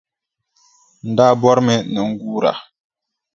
N daa bɔrimi ni n guura.